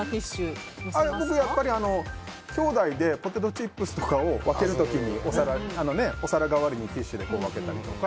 僕はきょうだいでポテトチップスとかを分ける時、お皿代わりにティッシュで分けたり。